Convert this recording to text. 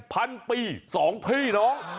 พันปีสองพี่น้อง